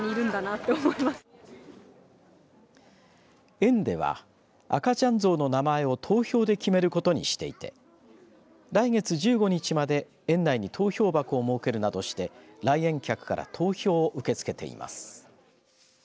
園では赤ちゃんゾウの名前を投票で決めることにしていて来月１５日まで園内に投票箱を設けるなどして来園客から投票を受け付けています。